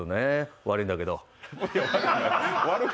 悪いんだけど。